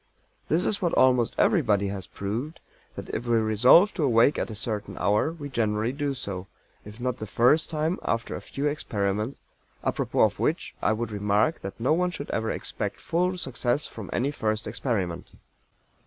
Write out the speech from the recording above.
This is what almost everybody has proved, that if we resolve to awake at a certain hour we generally do so; if not the first time, after a few experiments, apropos of which I would remark that "no one should ever expect full success from any first experiment."